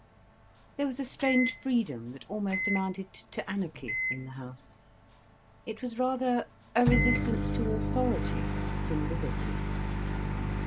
There was a strange freedom, that almost amounted to anarchy, in the house. It was rather a resistance to authority, than liberty.